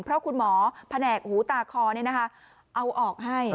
เพราะคุณหมอแผนกหูตาคอเอาออกให้